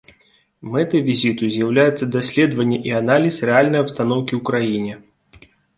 Мэтай візіту з'яўляецца даследаванне і аналіз рэальнай абстаноўкі ў краіне.